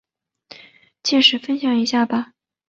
届时分享一下吧